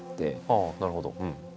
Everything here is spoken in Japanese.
ああなるほど。